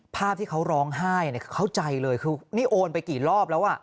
ภาพที่เขาร้องไห้เข้าใจเลยคือนี่โอนไปกี่รอบแล้วอ่ะ